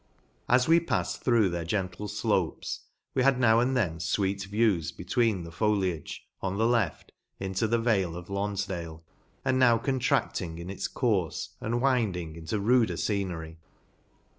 As we patted through their gentle flopes, we had, now and then, fweet views between the foliage, on the left, into the vale of Lonfdale, now con trailing in its courfe, and winding into nrder ENGLAND. 201 ruder fcenery.